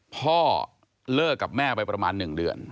พ่อเลิกกับแม่ไปประมาณ๑เดือน